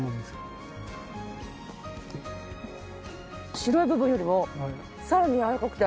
白い部分よりもさらにやわらかくて。